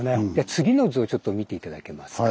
次の図をちょっと見て頂けますか。